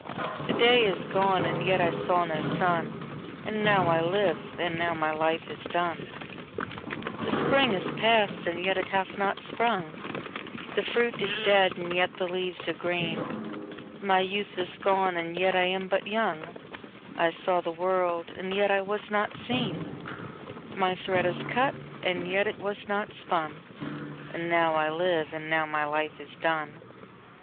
5The day is gone and yet I saw no sun,6And now I live, and now my life is done.7The spring is past, and yet it hath not sprung,8The fruit is dead, and yet the leaves are green,9My youth is gone, and yet I am but young,10I saw the world, and yet I was not seen,11My thread is cut, and yet it was not spun,12And now I live, and now my life is done.